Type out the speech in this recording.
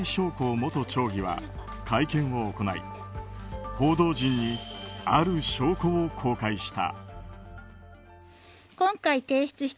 元町議は会見を行い報道陣にある証拠を公開した。